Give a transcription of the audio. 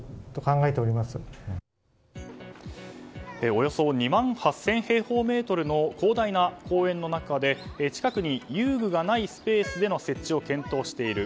およそ２万８０００平方メートルの広大な公園の中で近くに遊具がないスペースでの設置を検討している。